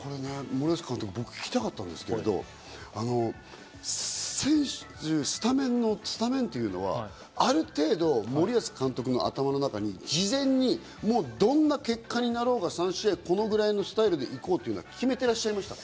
僕、聞きたかったんですけど、選手、スタメンっていうのはある程度、森保監督の頭の中に事前にもうどんな結果になろうが、３試合、このぐらいのスタイルで行こうというのは決めていらっしゃいましたか？